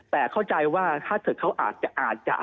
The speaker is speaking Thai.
แต่เข้าใจว่าถ้าเกิดเขาอาจจะ